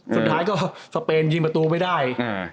สุดท้ายก็สเปนยิงประตูไม่ได้